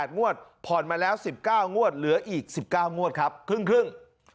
๘งวดผ่อนมาแล้ว๑๙งวดเหลืออีก๑๙งวดครับครึ่ง